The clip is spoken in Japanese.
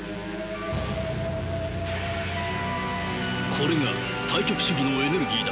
これが対極主義のエネルギーだ。